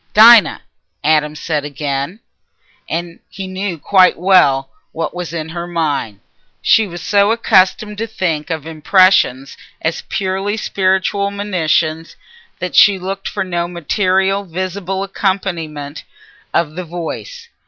"Dinah!" Adam said again. He knew quite well what was in her mind. She was so accustomed to think of impressions as purely spiritual monitions that she looked for no material visible accompaniment of the voice.